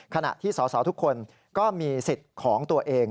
ขณะที่สอสอทุกคนก็มีสิทธิ์ของตัวเอง